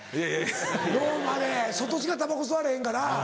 ローマで外しかタバコ吸われへんから。